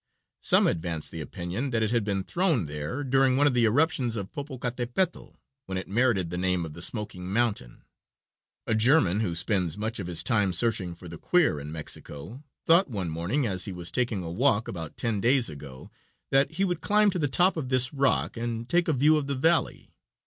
Some advanced the opinion that it had been thrown there during one of the eruptions of Popocatapetl, when it merited the name of "the smoking mountain." A German who spends much of his time searching for the queer in Mexico thought one morning as he was taking a walk, about ten days ago, that he would climb to the top of this rock and take a view of the valley.